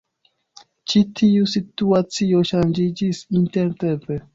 Ĉi tiu situacio ŝanĝiĝis intertempe.